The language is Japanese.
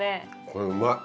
これうまい。